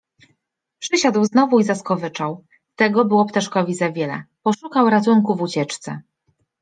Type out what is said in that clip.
Przysiadł znowu i zaskowyczał. Tego było ptaszkowi za wiele. Poszukał ratunku w ucieczce.